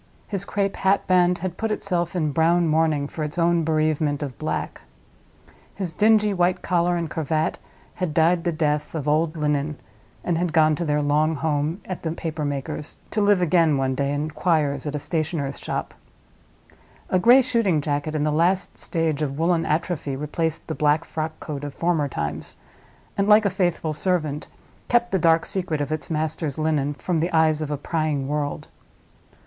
His crape hat band had put itself in brown mourning for its own bereavement of black. His dingy white collar and cravat had died the death of old linen, and had gone to their long home at the paper maker's, to live again one day in quires at a stationer's shop. A gray shooting jacket in the last stage of woolen atrophy replaced the black frockcoat of former times, and, like a faithful servant, kept the dark secret of its master's linen from the eyes of a prying world.